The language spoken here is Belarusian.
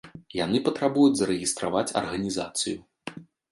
Яны патрабуюць зарэгістраваць арганізацыю.